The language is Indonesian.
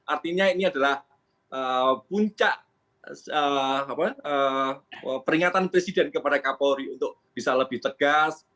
artinya ini adalah puncak peringatan presiden kepada kapolri untuk bisa lebih tegas